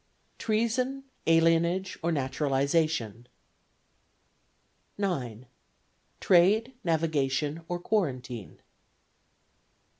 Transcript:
Treason, alienage, or naturalization; "(9.) Trade, navigation, or quarantine; "(10.)